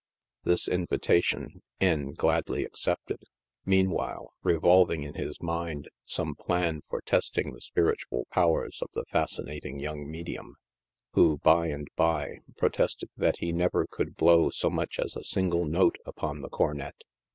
This invitation "W J gladly accepted, meanwhile revolving in his mind some plan for testing the spiritual powers of the fascinating young modiimi — who, by the by, protested that he never could blow so much as a single note upoia the cornet.